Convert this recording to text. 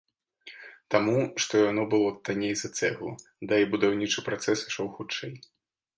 Таму, што яно было танней за цэглу, да і будаўнічы працэс ішоў хутчэй.